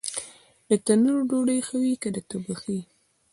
د تنور ډوډۍ ښه وي که د تبخي؟